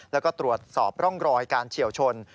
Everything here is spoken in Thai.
แล้วก็ตรวจสอบร่องรอยการเฉียวชน